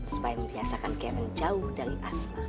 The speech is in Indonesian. supaya membiasakan kemen jauh dari asma